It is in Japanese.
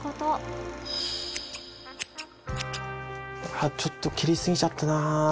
あっちょっと切りすぎちゃったな